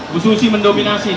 bu susi mendominasi nih